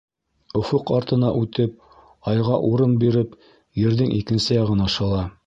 — Офоҡ артына үтеп, айға урын биреп, ерҙең икенсе яғына шыла.